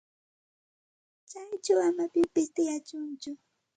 Chayćhu ama pipis tiyachunchu.